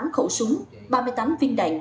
tám khẩu súng ba mươi tám viên đại